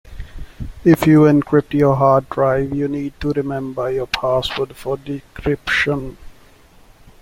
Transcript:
If you encrypt your hard drive you need to remember your password for decryption.